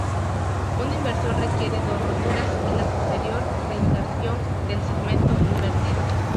Una inversión requiere dos roturas y la posterior reinserción del segmento invertido.